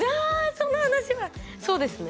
その話はそうですね